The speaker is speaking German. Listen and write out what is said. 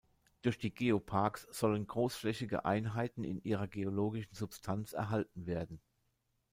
Durch die Geoparks sollen großflächige Einheiten in ihrer geologischen Substanz erhalten werden.